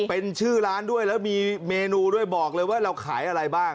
เป็นชื่อร้านด้วยแล้วมีเมนูด้วยบอกเลยว่าเราขายอะไรบ้าง